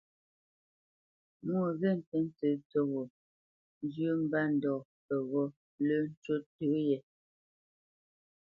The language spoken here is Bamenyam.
Mwô ghyə̂ tə tsə́ tsə́ghō njyə́ mbândɔ̂ peghó lə́ ncú ntə yē.